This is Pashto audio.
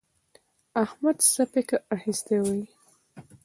احمده څه فکر اخيستی يې؟